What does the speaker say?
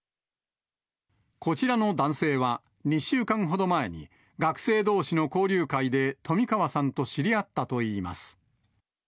こちらの男性は、２週間ほど前に学生どうしの交流会で冨川さんと知り合ったといいます。